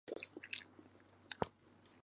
语言创建会议主办。